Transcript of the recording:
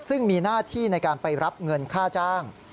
ซึ่งมีหน้าที่ในการไปรับเงินค่าจ้าง